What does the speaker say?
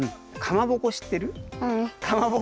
かまぼこしってる？